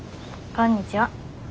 こんにちは。